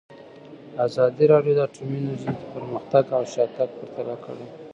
ازادي راډیو د اټومي انرژي پرمختګ او شاتګ پرتله کړی.